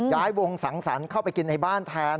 ย้ายวงสังสรรค์เข้าไปกินในบ้านแทน